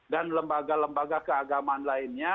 dan lembaga lembaga keagaman lainnya